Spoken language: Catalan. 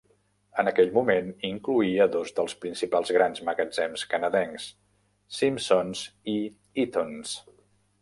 En aquell moment incloïa dos dels principals grans magatzems canadencs, Simpson's i Eaton's.